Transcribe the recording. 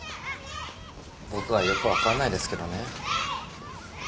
僕はよく分かんないですけどね。